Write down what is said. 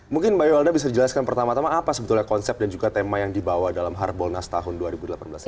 mungkin mbak yolda bisa dijelaskan pertama tama apa sebetulnya konsep dan juga tema yang dibawa dalam harbolnas tahun dua ribu delapan belas ini